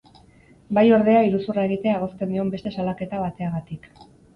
Bai ordea iruzurra egitea egozten dion beste salaketa bateagatik.